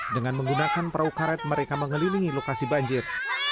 dengan menggunakan perahu karet mereka mengelilingi lokasi banjir